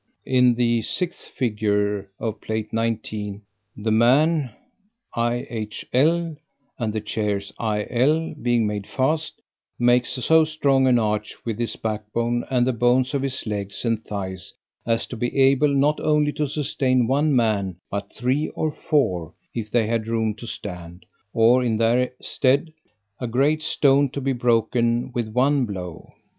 In the 6th Fig. of Plate 19, the man IHL (the chairs IL, being made fast) makes so strong an arch with his backbone and the bones of his legs and thighs, as to be able not only to sustain one man, but three or four, if they had room to stand; or, in their stead, a great stone to be broken with one blow.